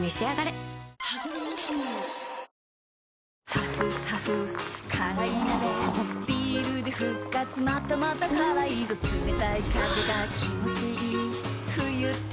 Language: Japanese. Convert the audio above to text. ハフハフ辛い鍋ビールで復活またまた辛いぞ冷たい風が気持ちいい冬って最高だ